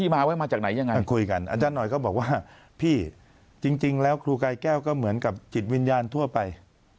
บอกว่าพี่จริงแล้วครูไก้แก้วก็เหมือนกับจิตวิญญาณทั่วไป